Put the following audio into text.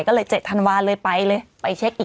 ก็เลย๗ธันวาลเลยไปเลยไปเช็คอีก